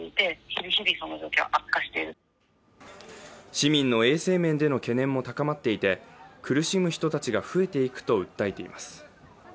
市民の衛生面での懸念も高まっていて苦しむ人たちが増えていくと訴えています。